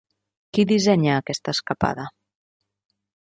Qui dissenya aquesta escapada?